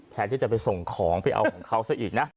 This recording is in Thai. แทนที่จะไปส่งของไปเอาของเขาซะอีกนะ